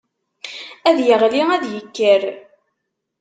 Ad yeɣli ad yekker.